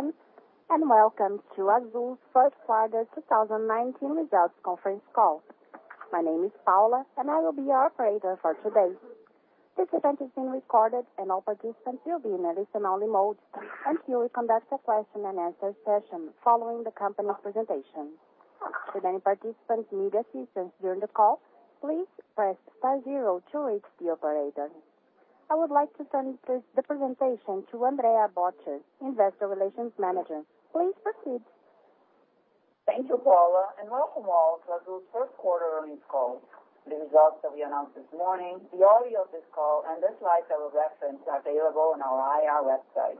Hello, everyone, welcome to Azul's first quarter 2019 results conference call. My name is Paula, I will be your operator for today. This event is being recorded, all participants will be in a listen-only mode until we conduct a question-and-answer session following the company's presentation. Should any participants need assistance during the call, please press star zero to reach the operator. I would like to turn the presentation to Thais Haberli, investor relations manager. Please proceed. Thank you, Paula, welcome all to Azul's first quarter earnings call. The results that we announced this morning, the audio of this call, the slides I will reference are available on our IR website.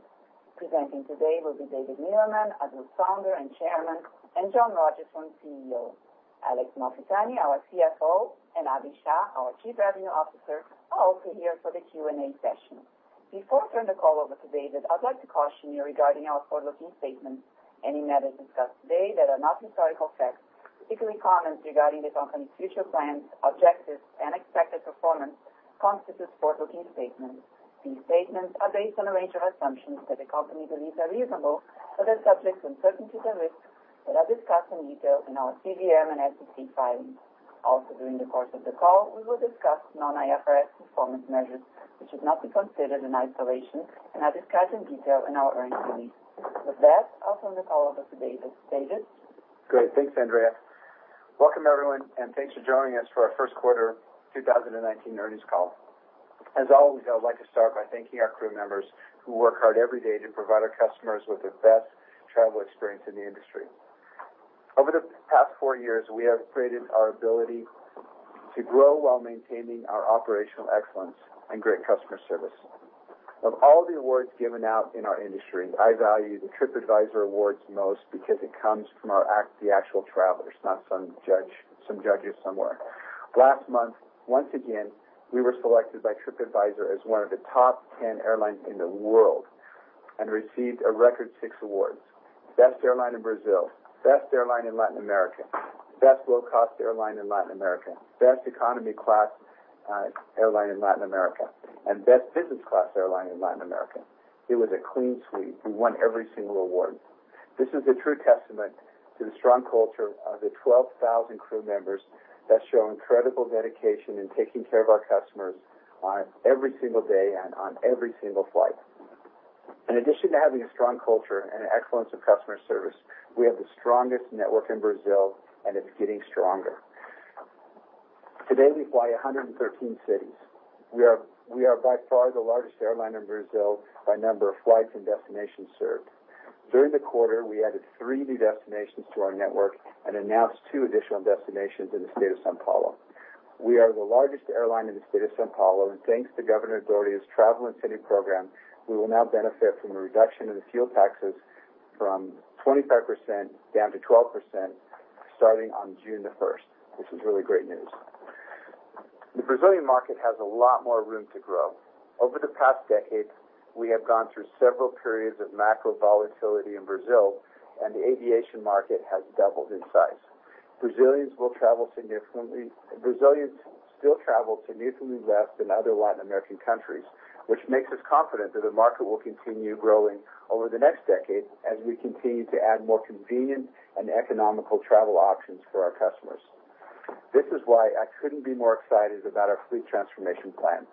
Presenting today will be David Neeleman, Azul's founder and chairman, John Rodgerson, CEO. Alex Malfitani, our CFO, Abhi Shah, our chief revenue officer, are also here for the Q&A session. Before I turn the call over to David, I'd like to caution you regarding our forward-looking statements. Any matters discussed today that are not historical facts, particularly comments regarding the company's future plans, objectives, and expected performance, constitutes forward-looking statements. These statements are based on a range of assumptions that the company believes are reasonable are subject to uncertainties and risks that are discussed in detail in our CVM and SEC filings. Also, during the course of the call, we will discuss non-IFRS performance measures, which should not be considered in isolation are discussed in detail in our earnings release. With that, I'll turn the call over to David. David? Great. Thanks, Thais. Welcome, everyone, thanks for joining us for our first quarter 2019 earnings call. As always, I would like to start by thanking our crew members who work hard every day to provide our customers with the best travel experience in the industry. Over the past four years, we have created our ability to grow while maintaining our operational excellence great customer service. Of all the awards given out in our industry, I value the TripAdvisor awards most because it comes from the actual travelers, not some judges somewhere. Last month, once again, we were selected by TripAdvisor as one of the top 10 airlines in the world received a record six awards. Best Airline in Brazil, Best Airline in Latin America, Best Low-Cost Airline in Latin America, Best Economy Class Airline in Latin America, Best Business Class Airline in Latin America. It was a clean sweep. We won every single award. This is a true testament to the strong culture of the 12,000 crew members that show incredible dedication in taking care of our customers on every single day and on every single flight. In addition to having a strong culture and excellence in customer service, we have the strongest network in Brazil, and it's getting stronger. Today, we fly 113 cities. We are by far the largest airline in Brazil by number of flights and destinations served. During the quarter, we added three new destinations to our network and announced two additional destinations in the state of São Paulo. We are the largest airline in the state of São Paulo, thanks to Governor Doria's travel incentive program, we will now benefit from a reduction in the fuel taxes from 25% down to 12% starting on June the 1st. This is really great news. The Brazilian market has a lot more room to grow. Over the past decade, we have gone through several periods of macro volatility in Brazil, and the aviation market has doubled in size. Brazilians still travel significantly less than other Latin American countries, which makes us confident that the market will continue growing over the next decade as we continue to add more convenient and economical travel options for our customers. This is why I couldn't be more excited about our fleet transformation plan.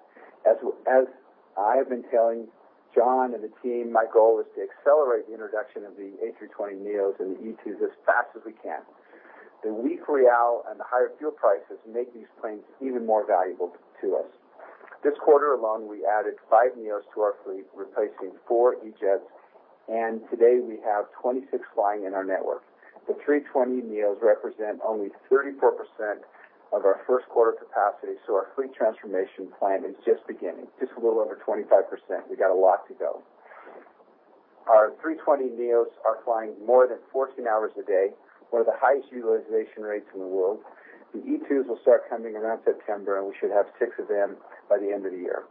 As I have been telling John and the team, my goal is to accelerate the introduction of the A320neos and the E2s as fast as we can. The weak real and the higher fuel prices make these planes even more valuable to us. This quarter alone, we added five neos to our fleet, replacing four E-jets, and today we have 26 flying in our network. The 320neos represent only 34% of our first quarter capacity, our fleet transformation plan is just beginning. Just a little over 25%. We got a lot to go. Our 320neos are flying more than 14 hours a day, one of the highest utilization rates in the world. The E2s will start coming around September, and we should have six of them by the end of the year.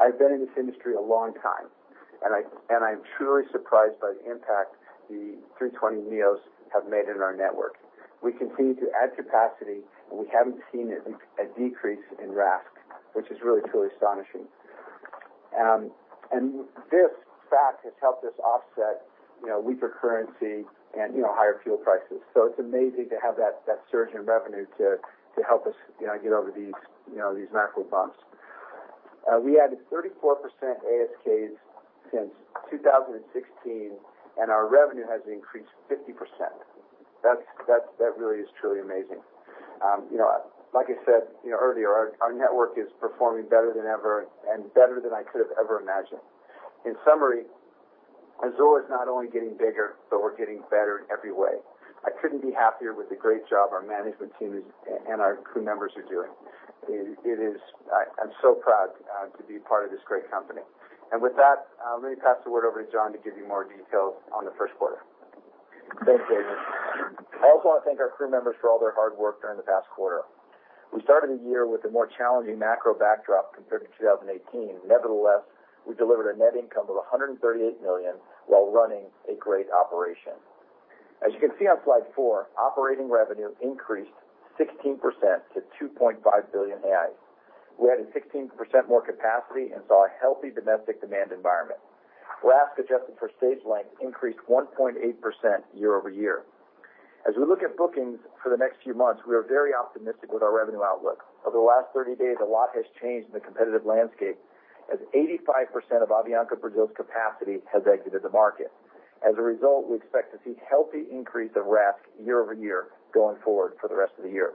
I've been in this industry a long time, and I'm truly surprised by the impact the 320neos have made in our network. We continue to add capacity, we haven't seen a decrease in RASK, which is really truly astonishing. This fact has helped us offset weaker currency and higher fuel prices. It's amazing to have that surge in revenue to help us get over these macro bumps. We added 34% ASKs since 2016, and our revenue has increased 50%. That really is truly amazing. Like I said earlier, our network is performing better than ever and better than I could have ever imagined. In summary, Azul is not only getting bigger, but we're getting better in every way. I couldn't be happier with the great job our management team and our crew members are doing. I'm so proud to be part of this great company. With that, let me pass the word over to John to give you more details on the first quarter. Thanks, David. I also want to thank our crew members for all their hard work during the past quarter. We started the year with a more challenging macro backdrop compared to 2018. Nevertheless, we delivered a net income of 138 million while running a great operation. As you can see on slide four, operating revenue increased 16% to 2.5 billion reais. We added 16% more capacity and saw a healthy domestic demand environment. RASK, adjusted for stage length, increased 1.8% year-over-year. As we look at bookings for the next few months, we are very optimistic with our revenue outlook. Over the last 30 days, a lot has changed in the competitive landscape, as 85% of Avianca Brasil's capacity has exited the market. As a result, we expect to see healthy increase of RASK year-over-year going forward for the rest of the year.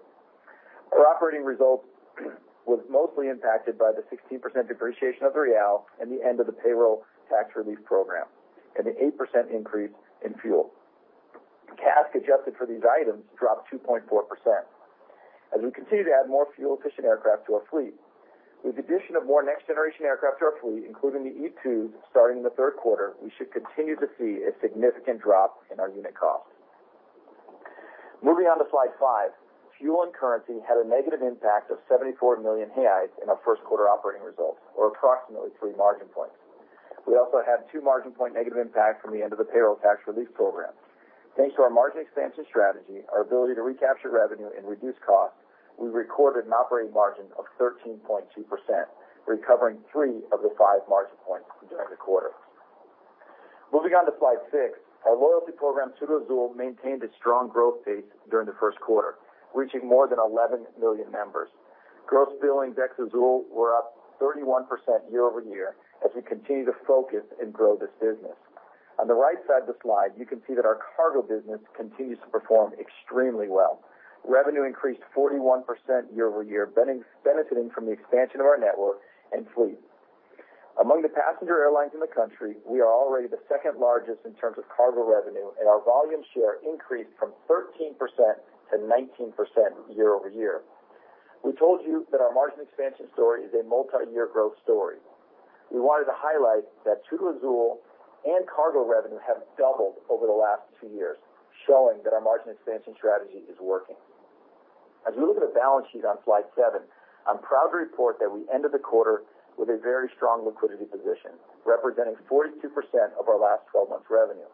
Our operating results was mostly impacted by the 16% depreciation of the BRL and the end of the payroll tax relief program, and the 8% increase in fuel. CASK, adjusted for these items, dropped 2.4%. As we continue to add more fuel-efficient aircraft to our fleet, with the addition of more next-generation aircraft to our fleet, including the E2s starting in the third quarter, we should continue to see a significant drop in our unit costs. Moving on to slide five, fuel and currency had a negative impact of 74 million in our first quarter operating results, or approximately three margin points. We also had two margin point negative impact from the end of the payroll tax relief program. Thanks to our margin expansion strategy, our ability to recapture revenue and reduce costs, we recorded an operating margin of 13.2%, recovering three of the five margin points during the quarter. Moving on to slide six, our loyalty program, TudoAzul, maintained a strong growth pace during the first quarter, reaching more than 11 million members. Gross billing TudoAzul were up 31% year-over-year, as we continue to focus and grow this business. On the right side of the slide, you can see that our cargo business continues to perform extremely well. Revenue increased 41% year-over-year, benefiting from the expansion of our network and fleet. Among the passenger airlines in the country, we are already the second largest in terms of cargo revenue, and our volume share increased from 13% to 19% year-over-year. We told you that our margin expansion story is a multiyear growth story. We wanted to highlight that TudoAzul and cargo revenue have doubled over the last two years, showing that our margin expansion strategy is working. As we look at a balance sheet on slide seven, I'm proud to report that we ended the quarter with a very strong liquidity position, representing 42% of our last 12 months revenue.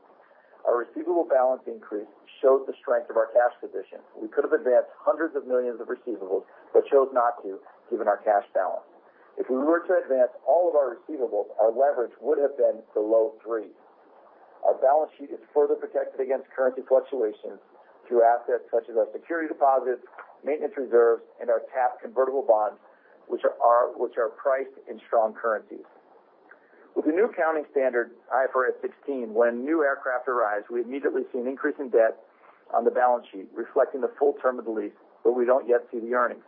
Our receivable balance increase shows the strength of our cash position. We could have advanced hundreds of millions of receivables but chose not to, given our cash balance. If we were to advance all of our receivables, our leverage would have been below three. Our balance sheet is further protected against currency fluctuations through assets such as our security deposits, maintenance reserves, and our TAP convertible bonds, which are priced in strong currencies. With the new accounting standard, IFRS 16, when new aircraft arrive, we immediately see an increase in debt on the balance sheet, reflecting the full term of the lease, but we don't yet see the earnings.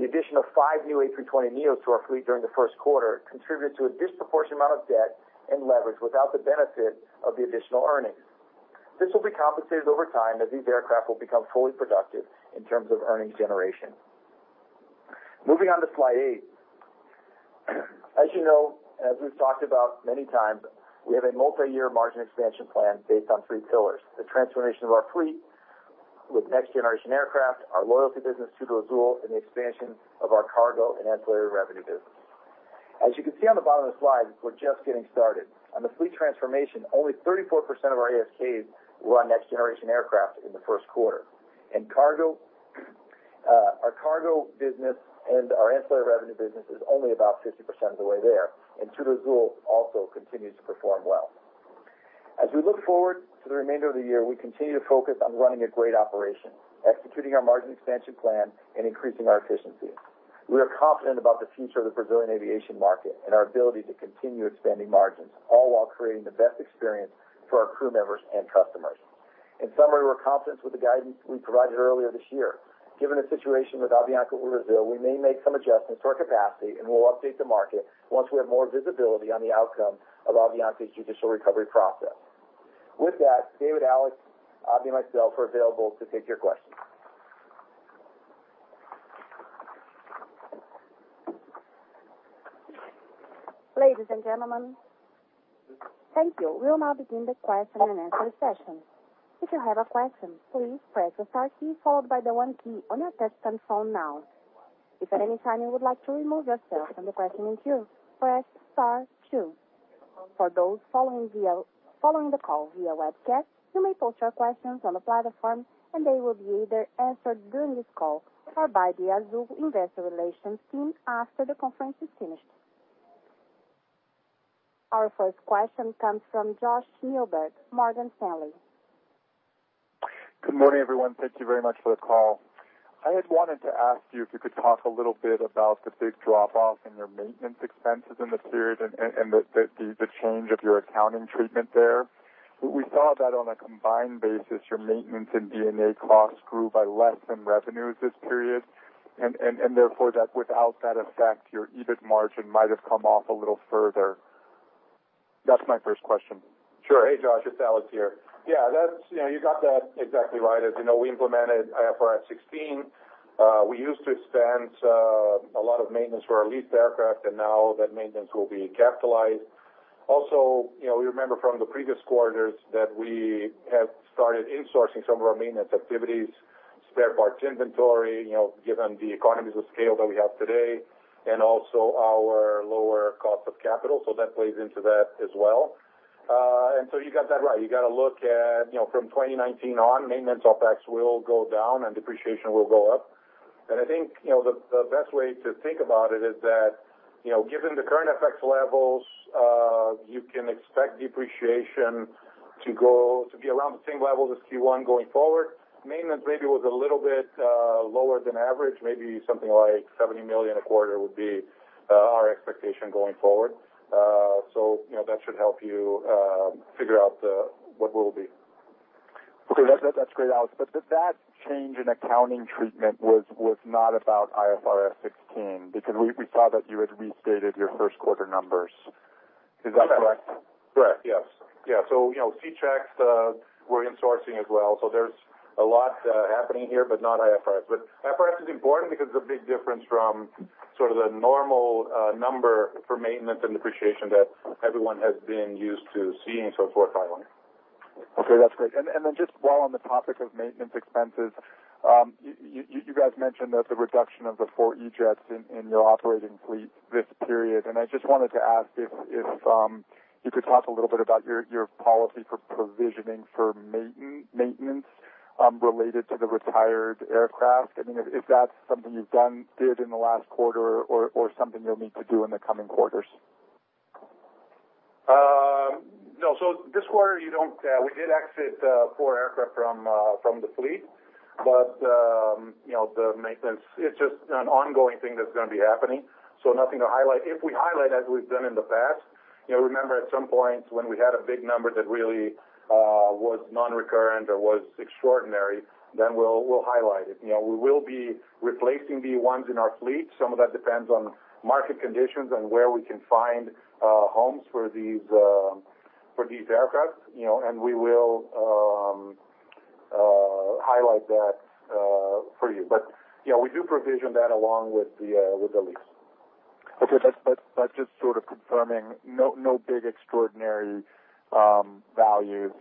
The addition of five new A320neos to our fleet during the first quarter contributed to a disproportionate amount of debt and leverage without the benefit of the additional earnings. This will be compensated over time as these aircraft will become fully productive in terms of earnings generation. Moving on to slide eight. As you know, as we've talked about many times, we have a multiyear margin expansion plan based on three pillars, the transformation of our fleet with next generation aircraft, our loyalty business, TudoAzul, and the expansion of our cargo and ancillary revenue business. As you can see on the bottom of the slide, we're just getting started. On the fleet transformation, only 34% of our ASKs were on next generation aircraft in the first quarter. Our cargo business and our ancillary revenue business is only about 50% of the way there, TudoAzul also continues to perform well. As we look forward to the remainder of the year, we continue to focus on running a great operation, executing our margin expansion plan, and increasing our efficiencies. We are confident about the future of the Brazilian aviation market and our ability to continue expanding margins, all while creating the best experience for our crew members and customers. In summary, we're confident with the guidance we provided earlier this year. Given the situation with Avianca Brasil, we may make some adjustments to our capacity, and we'll update the market once we have more visibility on the outcome of Avianca's judicial recovery process. With that, David, Alex, Abhi, and myself are available to take your questions. Ladies and gentlemen, thank you. We will now begin the question and answer session. If you have a question, please press the star key followed by the one key on your touchtone phone now. If at any time you would like to remove yourself from the questioning queue, press star two. For those following the call via webcast, you may post your questions on the platform, and they will be either answered during this call or by the Azul investor relations team after the conference is finished. Our first question comes from Josh Milberg, Morgan Stanley. Good morning, everyone. Thank you very much for the call. I had wanted to ask you if you could talk a little bit about the big drop-off in your maintenance expenses in the period and the change of your accounting treatment there. We saw that on a combined basis, your maintenance and D&A costs grew by less than revenues this period, and therefore, that without that effect, your EBIT margin might have come off a little further. That's my first question. Sure. Hey, Josh, it's Alex here. Yeah, you got that exactly right. As you know, we implemented IFRS 16. We used to expense a lot of maintenance for our leased aircraft, and now that maintenance will be capitalized. Also, you remember from the previous quarters that we have started insourcing some of our maintenance activities spare parts inventory, given the economies of scale that we have today, and also our lower cost of capital, so that plays into that as well. You got that right. I think, the best way to think about it is that, given the current effects levels, you can expect depreciation to be around the same level as Q1 going forward. Maintenance maybe was a little bit lower than average. Maybe something like 70 million a quarter would be our expectation going forward. That should help you figure out what will be. Okay. That's great, Alex. That change in accounting treatment was not about IFRS 16, because we saw that you had restated your first quarter numbers. Is that correct? Correct. Yes. C Checks, we're insourcing as well. There's a lot happening here, not IFRS. IFRS is important because it's a big difference from sort of the normal number for maintenance and depreciation that everyone has been used to seeing so far. Okay, that's great. Then just while on the topic of maintenance expenses, you guys mentioned that the reduction of the 4 E-Jets in your operating fleet this period. I just wanted to ask if you could talk a little bit about your policy for provisioning for maintenance related to the retired aircraft. I mean, is that something you did in the last quarter or something you'll need to do in the coming quarters? No. This quarter, we did exit 4 aircraft from the fleet. The maintenance, it's just an ongoing thing that's going to be happening. Nothing to highlight. If we highlight as we've done in the past, remember at some point when we had a big number that really was non-recurrent or was extraordinary, we'll highlight it. We will be replacing the ones in our fleet. Some of that depends on market conditions and where we can find homes for these aircraft. We will highlight that for you. We do provision that along with the lease. Okay. Just sort of confirming, no big extraordinary values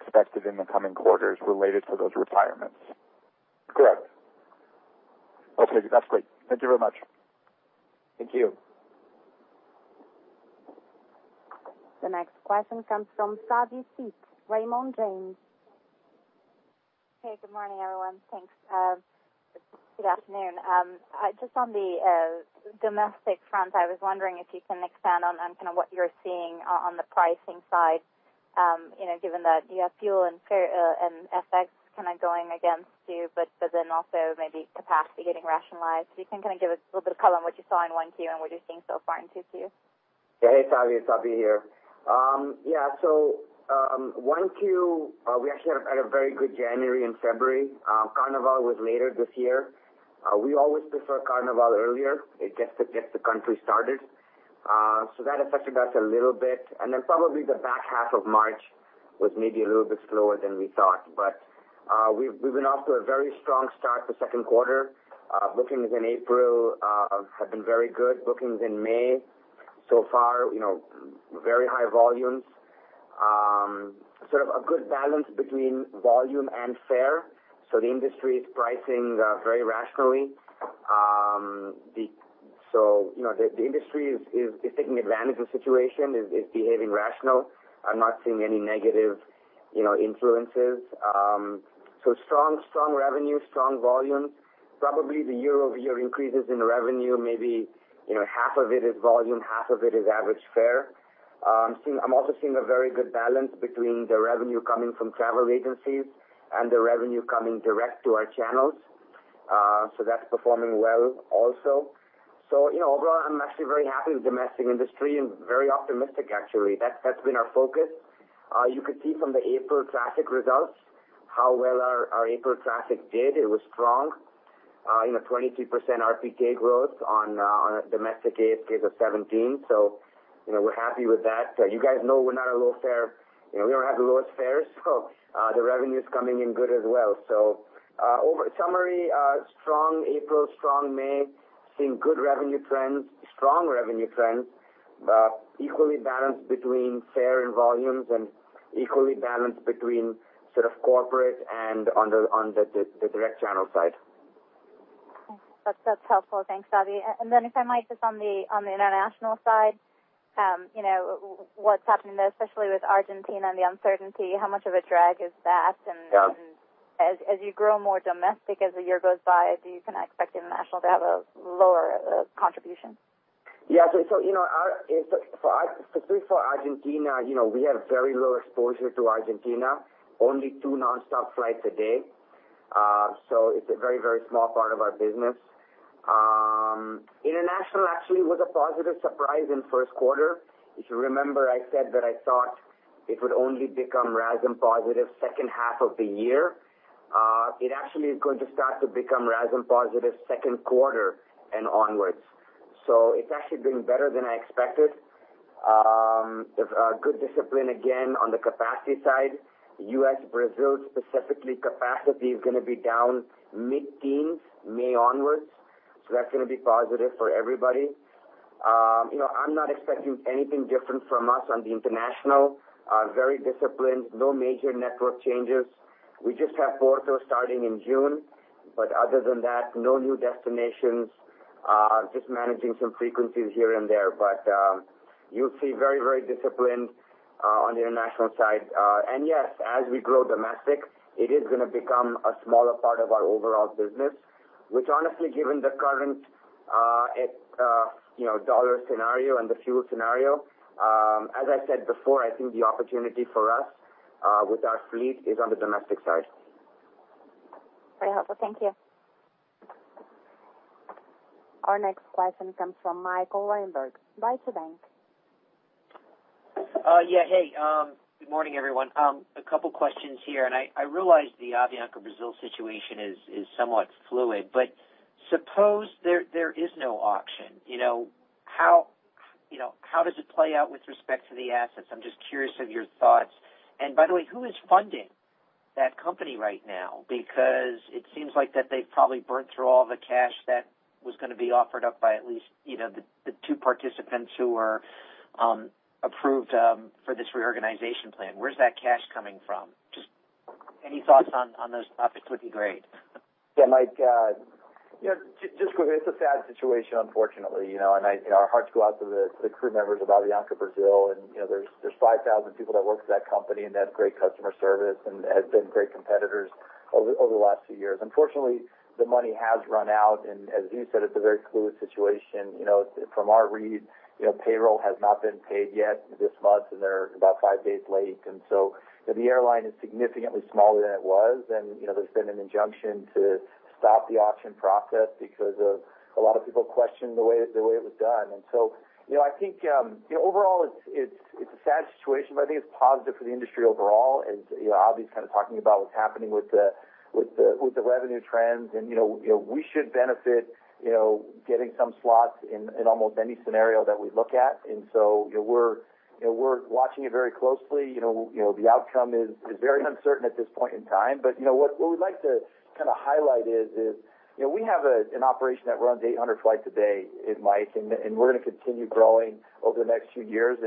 expected in the coming quarters related to those retirements. Correct. Okay. That's great. Thank you very much. Thank you. The next question comes from Savanthi Syth, Raymond James. Hey, good morning, everyone. Thanks. Good afternoon. Just on the domestic front, I was wondering if you can expand on kind of what you're seeing on the pricing side, given that you have fuel and FX kind of going against you, also maybe capacity getting rationalized. You can kind of give us a little bit of color on what you saw in 1Q and what you're seeing so far in 2Q? Hey, Savi. It's Abhi here. 1Q, we actually had a very good January and February. Carnival was later this year. We always prefer Carnival earlier. It gets the country started. That affected us a little bit. Probably the back half of March was maybe a little bit slower than we thought. We've been off to a very strong start for second quarter. Bookings in April have been very good. Bookings in May so far, very high volumes. Sort of a good balance between volume and fare. The industry is pricing very rationally. The industry is taking advantage of the situation, is behaving rational. I'm not seeing any negative influences. Strong revenue, strong volumes. Probably the year-over-year increases in revenue, maybe half of it is volume, half of it is average fare. I'm also seeing a very good balance between the revenue coming from travel agencies and the revenue coming direct to our channels. That's performing well also. Overall, I'm actually very happy with domestic industry and very optimistic actually. That's been our focus. You could see from the April traffic results how well our April traffic did. It was strong. 23% RPK growth on a domestic ASK of 17. We're happy with that. You guys know we're not a low fare. We don't have the lowest fares, so the revenue's coming in good as well. Summary, strong April, strong May, seeing good revenue trends, strong revenue trends. Equally balanced between fare and volumes and equally balanced between sort of corporate and on the direct channel side. That's helpful. Thanks, Abhi. If I might, just on the international side, what's happening there, especially with Argentina and the uncertainty, how much of a drag is that? Yeah. As you grow more domestic as the year goes by, do you kind of expect international to have a lower contribution? Yeah. Specifically for Argentina, we have very low exposure to Argentina. Only two non-stop flights a day. It's a very small part of our business. International actually was a positive surprise in first quarter. If you remember, I said that I thought it would only become RASM positive second half of the year. It actually is going to start to become RASM positive second quarter and onwards. It's actually been better than I expected. There's a good discipline again on the capacity side. U.S., Brazil specifically, capacity is going to be down mid-teens May onwards. That's going to be positive for everybody. I'm not expecting anything different from us on the international. Very disciplined, no major network changes. We just have Porto starting in June, but other than that, no new destinations, just managing some frequencies here and there. You'll see very disciplined on the international side. Yes, as we grow domestic, it is going to become a smaller part of our overall business, which honestly, given the current dollar scenario and the fuel scenario, as I said before, I think the opportunity for us with our fleet is on the domestic side. Very helpful. Thank you. Our next question comes from Michael Linenberg. Deutsche Bank. Yeah. Hey, good morning, everyone. A couple questions here. I realize the Avianca Brasil situation is somewhat fluid. Suppose there is no auction. How does it play out with respect to the assets? I'm just curious of your thoughts. By the way, who is funding that company right now? Because it seems like that they've probably burnt through all the cash that was going to be offered up by at least the two participants who were approved for this reorganization plan. Where's that cash coming from? Just any thoughts on those topics would be great. Yeah, Mike. Just quickly, it's a sad situation, unfortunately. Our hearts go out to the crew members of Avianca Brasil. There's 5,000 people that work for that company and they have great customer service and have been great competitors over the last few years. Unfortunately, the money has run out. As you said, it's a very fluid situation. From our read, payroll has not been paid yet this month. They're about five days late. The airline is significantly smaller than it was. There's been an injunction to stop the auction process because of a lot of people questioning the way it was done. I think overall it's a sad situation. I think it's positive for the industry overall. As Abhi's kind of talking about what's happening with the revenue trends, we should benefit getting some slots in almost any scenario that we look at. We're watching it very closely. The outcome is very uncertain at this point in time. What we'd like to kind of highlight is we have an operation that runs 800 flights a day, Mike. We're going to continue growing over the next few years.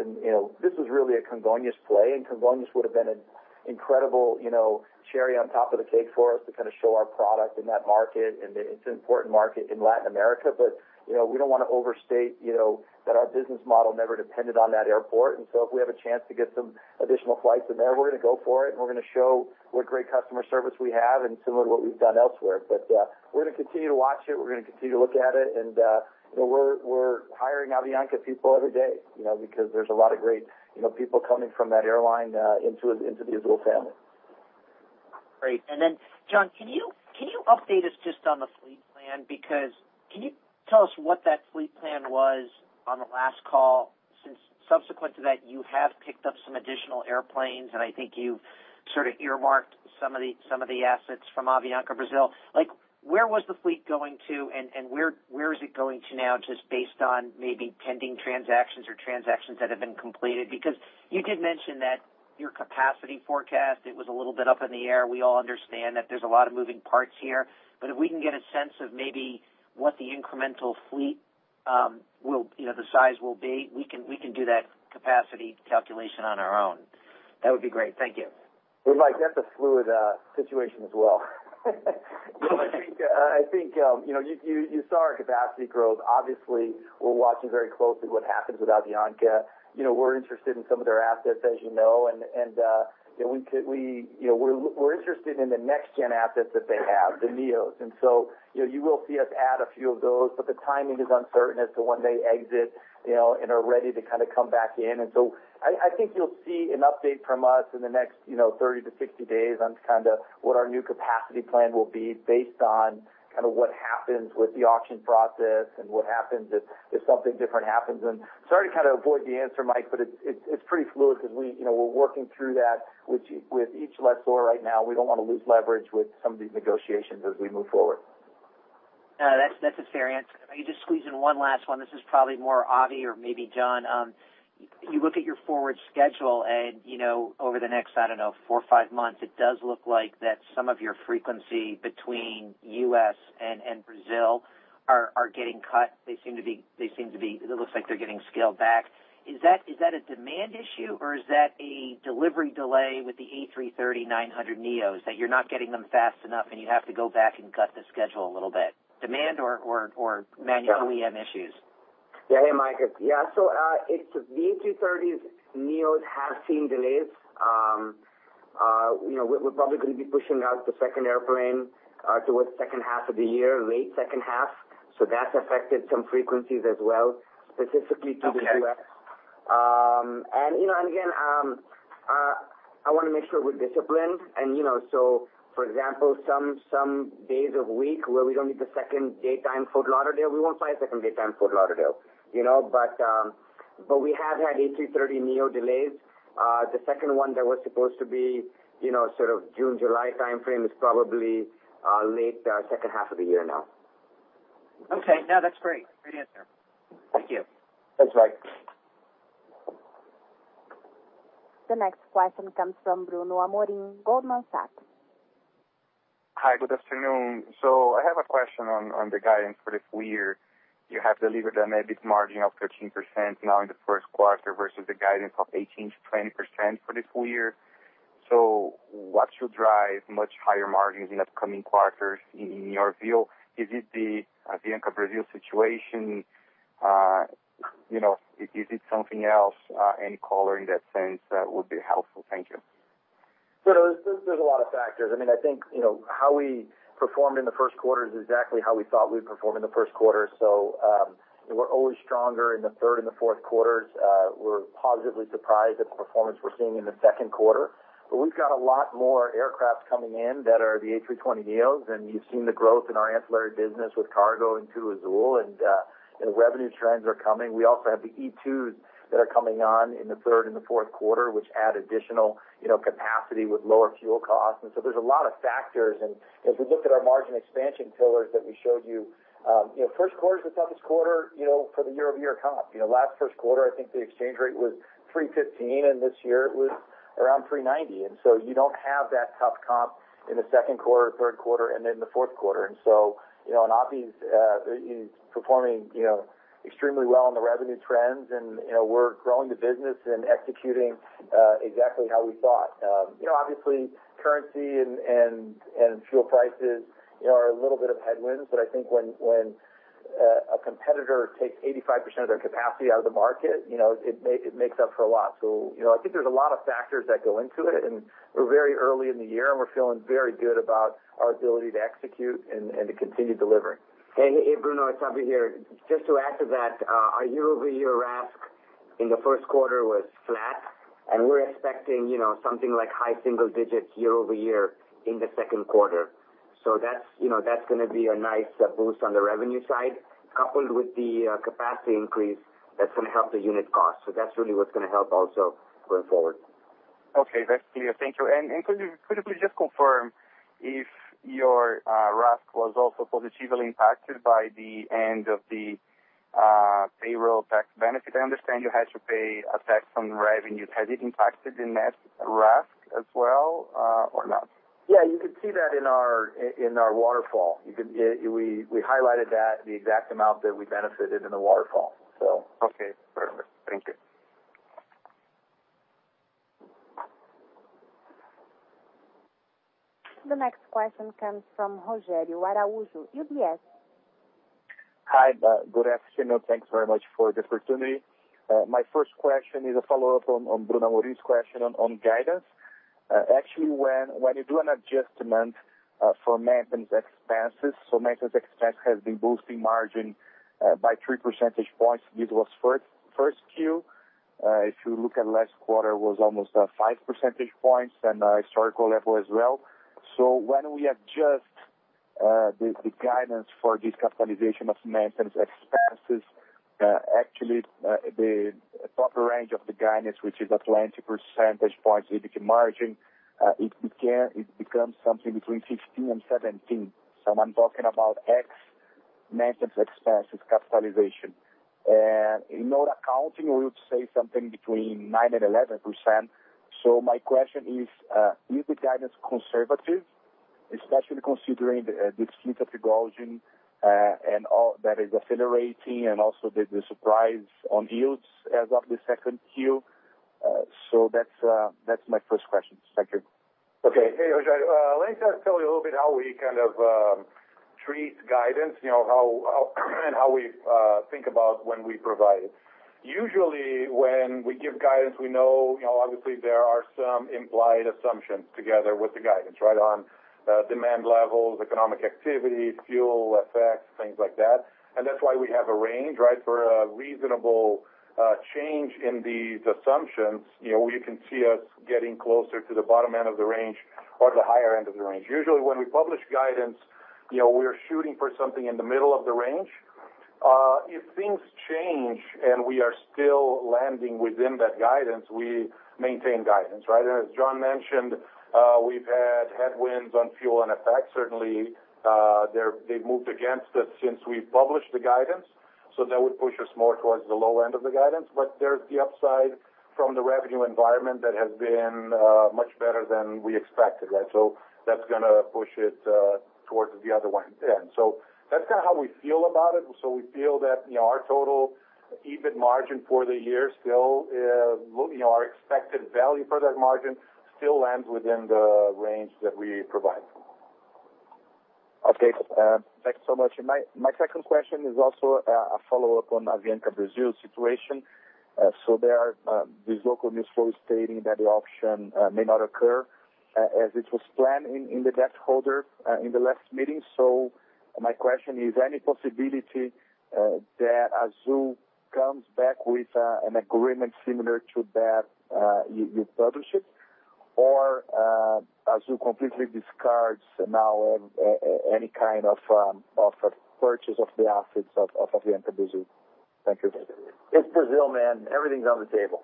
This was really a Congonhas play. Congonhas would've been an incredible cherry on top of the cake for us to kind of show our product in that market. It's an important market in Latin America. We don't want to overstate that our business model never depended on that airport. If we have a chance to get some additional flights in there, we're going to go for it. We're going to show what great customer service we have similar to what we've done elsewhere. We're going to continue to watch it. We're going to continue to look at it. We're hiring Avianca people every day because there's a lot of great people coming from that airline into the Azul family. Great. John, can you update us just on the fleet plan? Can you tell us what that fleet plan was on the last call since subsequent to that, you have picked up some additional airplanes, and I think you've sort of earmarked some of the assets from Avianca Brasil. Where was the fleet going to, and where is it going to now, just based on maybe pending transactions or transactions that have been completed? Because you did mention that your capacity forecast, it was a little bit up in the air. We all understand that there's a lot of moving parts here. If we can get a sense of maybe what the incremental fleet size will be, we can do that capacity calculation on our own. That would be great. Thank you. Mike, that's a fluid situation as well. I think you saw our capacity growth. Obviously, we're watching very closely what happens with Avianca. We're interested in some of their assets, as you know. We're interested in the next-gen assets that they have, the NEOs. You will see us add a few of those. The timing is uncertain as to when they exit and are ready to kind of come back in. I think you'll see an update from us in the next 30 to 60 days on kind of what our new capacity plan will be based on what happens with the auction process and what happens if something different happens. Sorry to kind of avoid the answer, Mike, it's pretty fluid because we're working through that with each lessor right now. We don't want to lose leverage with some of these negotiations as we move forward. That's a fair answer. If I could just squeeze in one last one. This is probably more Abhi or maybe John. You look at your forward schedule and over the next, I don't know, four or five months, it does look like that some of your frequency between U.S. and Brazil are getting cut. It looks like they're getting scaled back. Is that a demand issue, or is that a delivery delay with the A330-900 NEOs that you're not getting them fast enough? You have to go back and cut the schedule a little bit? Demand or mainly OEM issues? Hey, Mike. It's the A330neos have seen delays. We're probably going to be pushing out the second airplane towards second half of the year, late second half. That's affected some frequencies as well, specifically to the U.S. Okay. Again, I want to make sure we're disciplined, for example, some days of week where we don't need the second daytime Fort Lauderdale, we won't fly a second daytime Fort Lauderdale. We have had A330neo delays. The second one that was supposed to be sort of June, July timeframe is probably late second half of the year now. That's great. Great answer. Thank you. Thanks, Mike. The next question comes from Bruno Amorim, Goldman Sachs. Hi, good afternoon. I have a question on the guidance for this full year. You have delivered an EBIT margin of 13% now in the first quarter versus the guidance of 18%-20% for this full year. What should drive much higher margins in upcoming quarters in your view? Is it the Avianca Brasil situation? Is it something else? Any color in that sense that would be helpful. Thank you. There's a lot of factors. I think, how we performed in the first quarter is exactly how we thought we'd perform in the first quarter. We're always stronger in the third and the fourth quarters. We're positively surprised at the performance we're seeing in the second quarter. We've got a lot more aircraft coming in that are the A320neo, and you've seen the growth in our ancillary business with cargo into Azul and the revenue trends are coming. We also have the E195-E2 that are coming on in the third and the fourth quarter, which add additional capacity with lower fuel costs. There's a lot of factors, and as we look at our margin expansion pillars that we showed you, first quarter is the toughest quarter, for the year-over-year comp. Last first quarter, I think the exchange rate was 315, and this year it was around 390. You don't have that tough comp in the second quarter, third quarter, and then the fourth quarter. Abhi is performing extremely well on the revenue trends and we're growing the business and executing exactly how we thought. Obviously currency and fuel prices are a little bit of headwinds, but I think when a competitor takes 85% of their capacity out of the market, it makes up for a lot. I think there's a lot of factors that go into it, and we're very early in the year, and we're feeling very good about our ability to execute and to continue delivering. Hey, Bruno, it's Abhi here. Just to add to that, our year-over-year RASK in the first quarter was flat, and we're expecting something like high single digits year-over-year in the second quarter. That's going to be a nice boost on the revenue side, coupled with the capacity increase that's going to help the unit cost. That's really what's going to help also going forward. Okay, that's clear. Thank you. Could you please just confirm if your RASK was also positively impacted by the end of the payroll tax benefit? I understand you had to pay a tax on revenues. Has it impacted the net RASK as well or not? Yeah, you could see that in our waterfall. We highlighted that, the exact amount that we benefited in the waterfall. Okay, perfect. Thank you. The next question comes from Rogério Araujo, UBS. Hi. Good afternoon. Thanks very much for the opportunity. My first question is a follow-up on Bruno Amorim's question on guidance. Actually, when you do an adjustment for maintenance expenses, maintenance expense has been boosting margin by three percentage points. This was first Q. If you look at last quarter, was almost five percentage points and a historical level as well. When we adjust the guidance for this capitalization of maintenance expenses, actually, the proper range of the guidance, which is Atlantic percentage points EBIT margin, it becomes something between 15 and 17. I'm talking about ex maintenance expenses capitalization. In our accounting, we would say something between 9% and 11%. My question is the guidance conservative, especially considering the fleet of the GOL and all that is accelerating and also the surprise on yields as of the second Q? That's my first question. Thank you. Okay. Hey, Rogério. Let me just tell you a little bit how we kind of treat guidance, and how we think about when we provide it. Usually, when we give guidance, we know, obviously there are some implied assumptions together with the guidance. On demand levels, economic activity, fuel effects, things like that. That's why we have a range. For a reasonable change in these assumptions, you can see us getting closer to the bottom end of the range or the higher end of the range. Usually, when we publish guidance, we are shooting for something in the middle of the range. If things change and we are still landing within that guidance, we maintain guidance. As John mentioned, we've had headwinds on fuel and effects. Certainly, they've moved against us since we've published the guidance, that would push us more towards the low end of the guidance. There's the upside from the revenue environment that has been much better than we expected. That's going to push it towards the other one. That's how we feel about it. We feel that our total EBIT margin for the year still, our expected value for that margin still lands within the range that we provide. Okay. Thanks so much. My second question is also a follow-up on Avianca Brasil situation. There are these local news flow stating that the option may not occur as it was planned in the debt holder in the last meeting. My question is any possibility that Azul comes back with an agreement similar to that you published it or Azul completely discards now any kind of offer purchase of the assets of Avianca Brasil? Thank you. It's Brazil, man. Everything's on the table.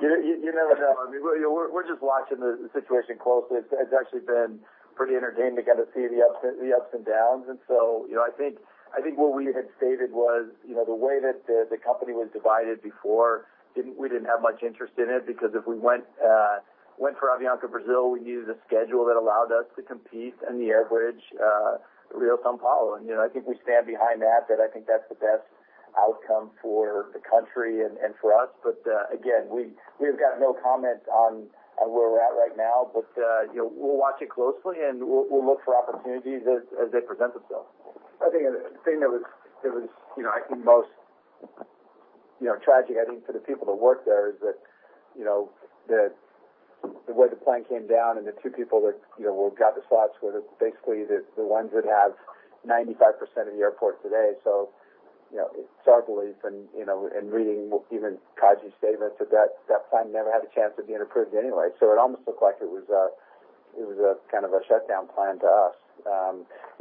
You never know. We're just watching the situation closely. It's actually been pretty entertaining to get to see the ups and downs. I think what we had stated was, the way that the company was divided before, we didn't have much interest in it, because if we went for Avianca Brasil, we needed a schedule that allowed us to compete in the air bridge, Rio-São Paulo. I think we stand behind that I think that's the best outcome for the country and for us. Again, we've got no comment on where we're at right now. We'll watch it closely, and we'll look for opportunities as they present themselves. I think the thing that was most tragic, I think, for the people that work there is that the way the plan came down and the two people that got the slots were basically the ones that have 95% of the airport today. It's our belief, and reading even CADE's statements, that that plan never had a chance of being approved anyway. It almost looked like it was a kind of a shutdown plan to us.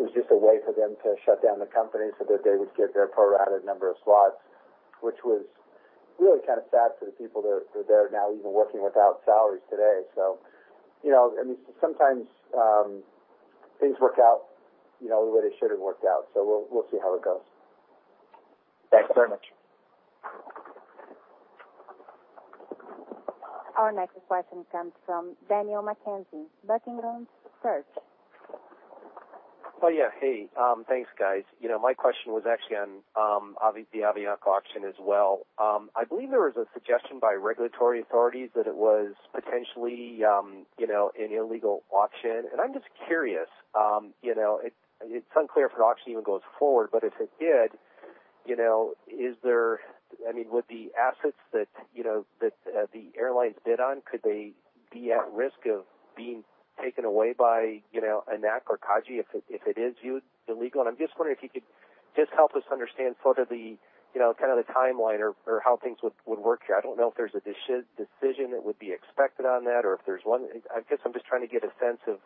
It was just a way for them to shut down the company so that they would get their pro-rated number of slots, which was really kind of sad for the people that are there now, even working without salaries today. Sometimes things work out the way they should have worked out. We'll see how it goes. Thanks very much. Our next question comes from Daniel McKenzie, Buckingham Research. Oh, yeah. Hey, thanks, guys. My question was actually on the Avianca auction as well. I believe there was a suggestion by regulatory authorities that it was potentially an illegal auction. I'm just curious. It's unclear if an auction even goes forward, but if it did, with the assets that the airlines bid on, could they be at risk of being taken away by ANAC or CADE if it is viewed illegal? I'm just wondering if you could just help us understand sort of the timeline or how things would work here. I don't know if there's a decision that would be expected on that or if there's one. I guess I'm just trying to get a sense of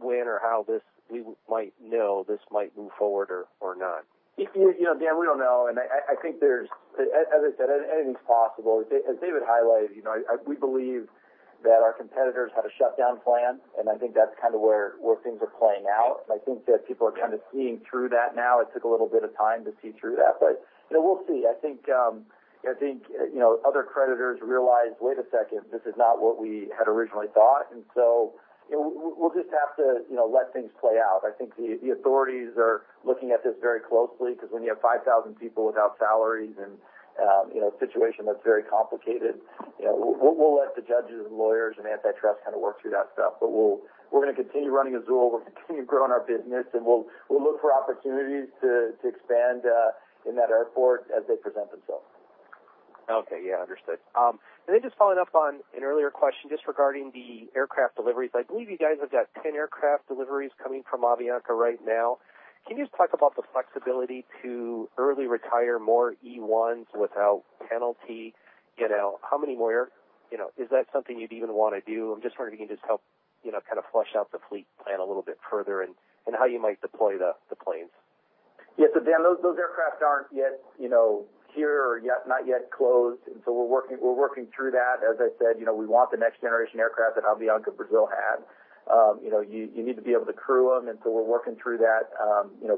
when or how we might know this might move forward or not. Dan, we don't know, I think, as I said, anything's possible. As David highlighted, we believe that our competitors had a shutdown plan, I think that's kind of where things are playing out. I think that people are kind of seeing through that now. It took a little bit of time to see through that. We'll see. I think other creditors realized, "Wait a second, this is not what we had originally thought." So we'll just have to let things play out. I think the authorities are looking at this very closely, because when you have 5,000 people without salaries and a situation that's very complicated. We'll let the judges and lawyers and antitrust kind of work through that stuff. We're going to continue running Azul. We're going to continue growing our business, we'll look for opportunities to expand in that airport as they present themselves. Okay. Yeah, understood. Just following up on an earlier question, just regarding the aircraft deliveries. I believe you guys have got 10 aircraft deliveries coming from Avianca right now. Can you just talk about the flexibility to early retire more E1s without penalty? Is that something you'd even want to do? I'm just wondering if you can just help kind of flesh out the fleet plan a little bit further and how you might deploy the planes. Yeah. Dan, those aircraft aren't yet here or not yet closed, we're working through that. As I said, we want the next generation aircraft that Avianca Brasil had. You need to be able to crew them, we're working through that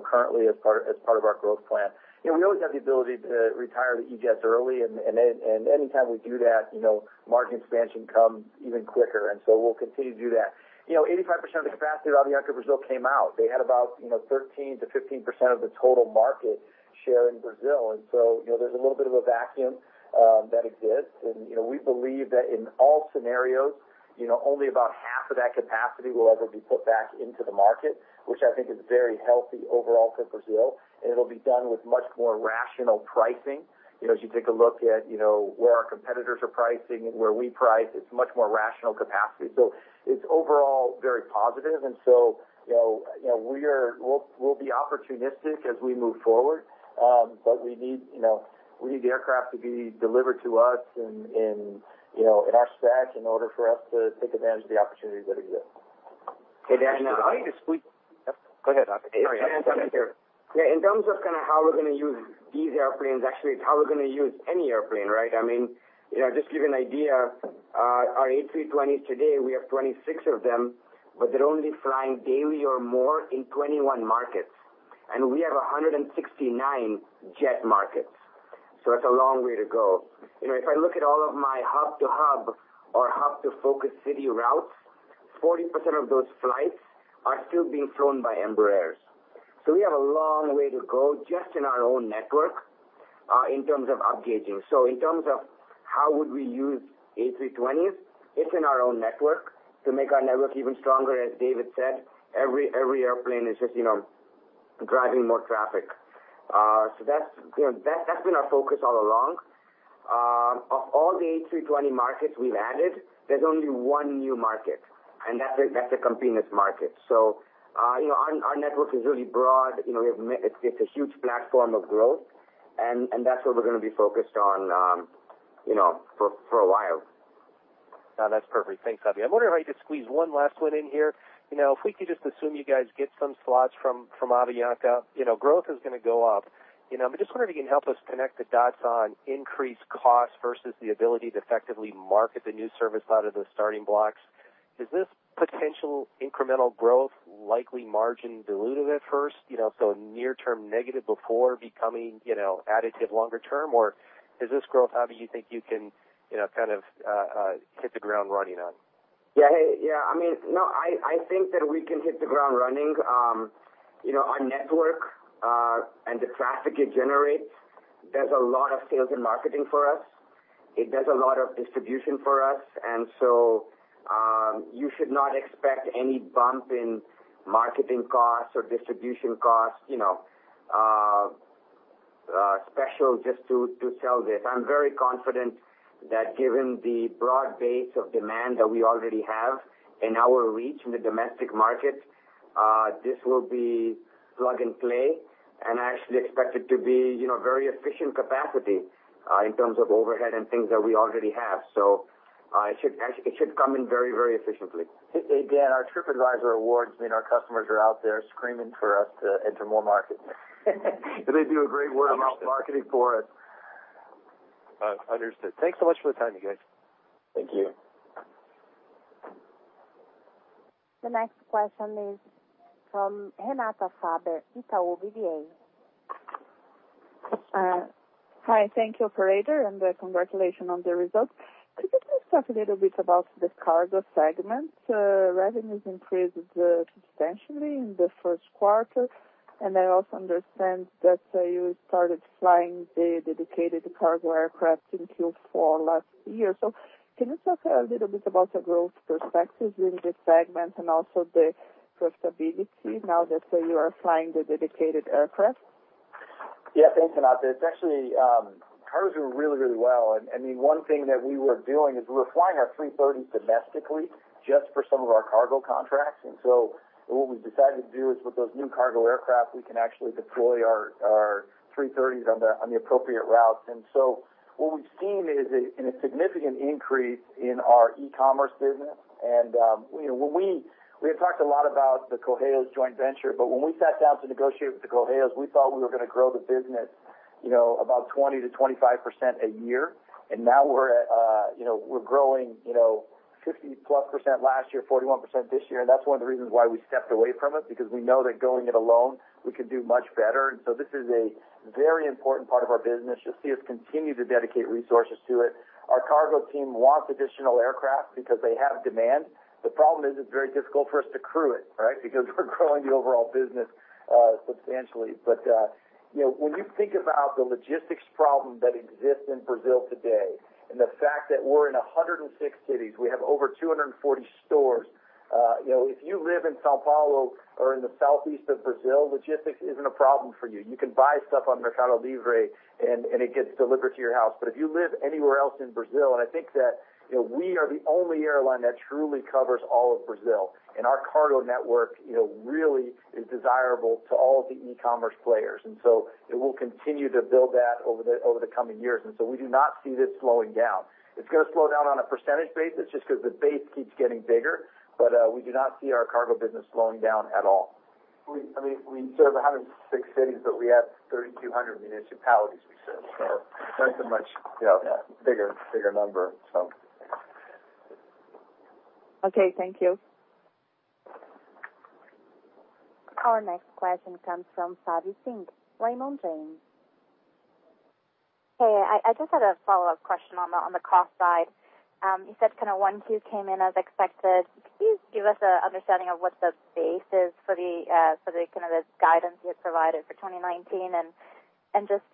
currently as part of our growth plan. We always have the ability to retire the E-Jets early, anytime we do that, market expansion comes even quicker, we'll continue to do that. 85% of the capacity of Avianca Brasil came out. They had about 13%-15% of the total market share in Brazil, there's a little bit of a vacuum that exists. We believe that in all scenarios, only about half of that capacity will ever be put back into the market, which I think is very healthy overall for Brazil. It'll be done with much more rational pricing. As you take a look at where our competitors are pricing and where we price, it's much more rational capacity. It's overall very positive, we'll be opportunistic as we move forward. We need the aircraft to be delivered to us in our specs in order for us to take advantage of the opportunities that exist. Hey, Dan, I just want- Go ahead, Abhinav. Sorry. In terms of kind of how we're going to use these airplanes, actually, it's how we're going to use any airplane, right? Just to give you an idea, our A320s today, we have 26 of them, but they're only flying daily or more in 21 markets. We have 169 jet markets. That's a long way to go. If I look at all of my hub-to-hub or hub-to-focus city routes, 40% of those flights are still being flown by Embraer. We have a long way to go just in our own network in terms of upgauging. In terms of how would we use A320s, it's in our own network to make our network even stronger. As David said, every airplane is just driving more traffic. That's been our focus all along. Of all the A320 markets we've added, there's only one new market, that's a Campinas market. Our network is really broad. It's a huge platform of growth, that's what we're going to be focused on for a while. No, that's perfect. Thanks, Fabio. I wonder if I could squeeze one last one in here. If we could just assume you guys get some slots from Avianca, growth is going to go up. I'm just wondering if you can help us connect the dots on increased cost versus the ability to effectively market the new service out of the starting blocks. Is this potential incremental growth likely margin dilutive at first? Near term negative before becoming additive longer term or is this growth, Abhi, you think you can kind of hit the ground running on? Yeah. I think that we can hit the ground running. Our network, and the traffic it generates, does a lot of sales and marketing for us. It does a lot of distribution for us, you should not expect any bump in marketing costs or distribution costs, special just to sell this. I'm very confident that given the broad base of demand that we already have and our reach in the domestic market, this will be plug and play, I actually expect it to be very efficient capacity in terms of overhead and things that we already have. It should come in very efficiently. Hey, Dan, our TripAdvisor awards mean our customers are out there screaming for us to enter more markets. They do a great word of mouth marketing for us. Understood. Thanks so much for the time, you guys. Thank you. The next question is from Renata Faber, Itaú BBA. Hi. Thank you, operator, and congratulations on the results. Could you please talk a little bit about the cargo segment? Revenues increased substantially in the first quarter. I also understand that you started flying the dedicated cargo aircraft in Q4 last year. Can you talk a little bit about the growth perspectives in this segment and also the profitability now that you are flying the dedicated aircraft? Yeah. Thanks, Renata. Actually, cargo is doing really well. One thing that we were doing is we're flying our 330 domestically just for some of our cargo contracts. What we've decided to do is with those new cargo aircraft, we can actually deploy our 330s on the appropriate routes. What we've seen is a significant increase in our e-commerce business. We had talked a lot about the Correios joint venture. When we sat down to negotiate with the Correios, we thought we were going to grow the business about 20%-25% a year. Now we're growing 50+% last year, 41% this year. That's one of the reasons why we stepped away from it, because we know that going it alone, we can do much better. This is a very important part of our business. You'll see us continue to dedicate resources to it. Our cargo team wants additional aircraft because they have demand. The problem is it's very difficult for us to crew it, right? We're growing the overall business substantially. When you think about the logistics problem that exists in Brazil today and the fact that we're in 106 cities, we have over 240 stores. If you live in São Paulo or in the southeast of Brazil, logistics isn't a problem for you. You can buy stuff on Mercado Livre. It gets delivered to your house. If you live anywhere else in Brazil, I think that we are the only airline that truly covers all of Brazil. Our cargo network really is desirable to all of the e-commerce players. We will continue to build that over the coming years. We do not see this slowing down. It's going to slow down on a percentage basis just because the base keeps getting bigger. We do not see our cargo business slowing down at all. We serve 106 cities, we have 3,200 municipalities we serve. That's a much bigger number. Okay. Thank you. Our next question comes from Savi Syth, Raymond James. Hey. I just had a follow-up question on the cost side. You said 1, 2 came in as expected. Could you give us an understanding of what the base is for the kind of the guidance you had provided for 2019 and just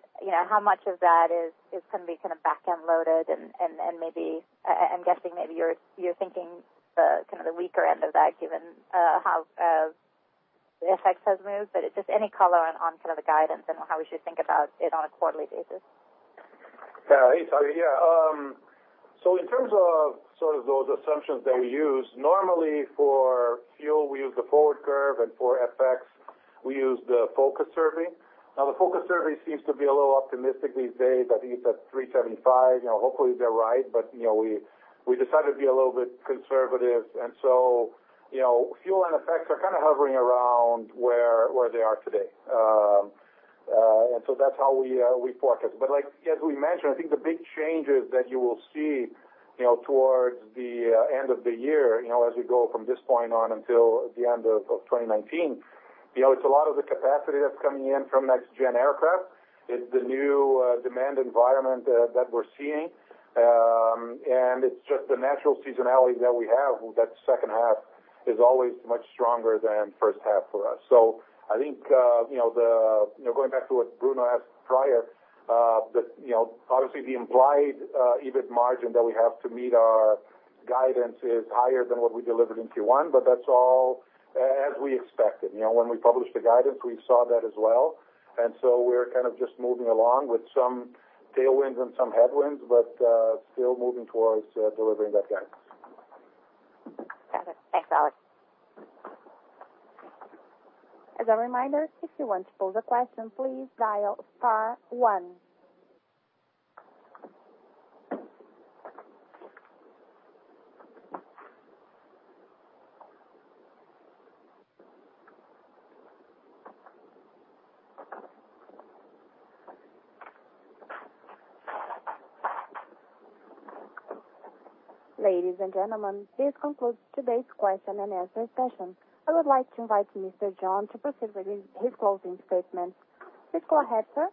how much of that is going to be back-end loaded, and I'm guessing maybe you're thinking the weaker end of that given how the FX has moved. Just any color on the guidance and how we should think about it on a quarterly basis. In terms of those assumptions that we use, normally for fuel, we use the forward curve, and for FX, we use the Focus Survey. The Focus Survey seems to be a little optimistic these days. I think it's at 3.75. Hopefully they're right. We decided to be a little bit conservative. Fuel and FX are kind of hovering around where they are today. That's how we forecast. As we mentioned, I think the big changes that you will see towards the end of the year, as we go from this point on until the end of 2019, it's a lot of the capacity that's coming in from next-gen aircraft. It's the new demand environment that we're seeing. It's just the natural seasonality that we have, that second half is always much stronger than first half for us. I think, going back to what Bruno asked prior, obviously the implied EBIT margin that we have to meet our guidance is higher than what we delivered in Q1, that's all as we expected. When we published the guidance, we saw that as well. We're kind of just moving along with some tailwinds and some headwinds, still moving towards delivering that guidance. Got it. Thanks, Alex. As a reminder, if you want to pose a question, please dial star one. Ladies and gentlemen, this concludes today's question and answer session. I would like to invite Mr. John to proceed with his closing statements. Please go ahead, sir.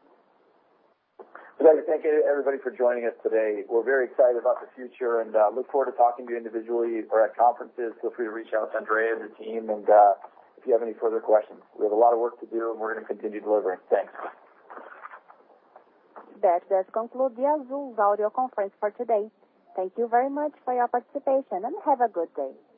I'd like to thank everybody for joining us today. We're very excited about the future and look forward to talking to you individually or at conferences. Feel free to reach out to Thais, the team, and if you have any further questions. We have a lot of work to do, and we're going to continue delivering. Thanks. That does conclude the Azul audio conference for today. Thank you very much for your participation, and have a good day.